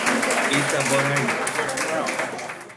Itaboraí